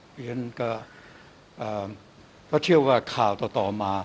เพราะฉะนั้นก็เชื่อว่าข่าวต่อมา